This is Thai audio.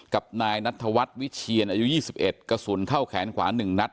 กับนายนัทวัฒน์วิเชียรอายุยี่สิบเอ็ดกระสุนเข้าแขนขวาหนึ่งนัด